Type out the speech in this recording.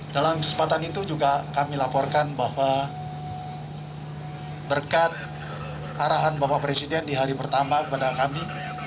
dalam kesempatan itu juga kami laporkan bahwa berkat arahan bapak presiden di hari pertama kepada kami